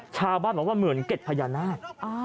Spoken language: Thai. ชาวบ้านบอกว่าเหมือนเก็ดพญานาค